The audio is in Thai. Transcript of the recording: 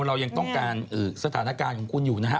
เรายังต้องการสถานการณ์ของคุณอยู่นะฮะ